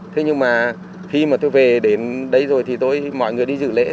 thế nhưng mà khi mà tôi về đến đây rồi thì tôi mọi người đi dự lễ